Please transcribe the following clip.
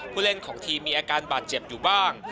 ผู้เล่นของทีมมีอาการบาดเจ็บอยู่บ้าง